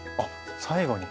最後に。